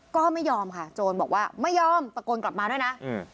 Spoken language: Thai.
ก็ไม่ยอมค่ะโจรบอกว่าไม่ยอมตะโกนกลับมาด้วยนะ